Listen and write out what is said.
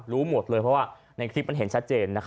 รู้หมดเลยเพราะว่าในคลิปมันเห็นชัดเจน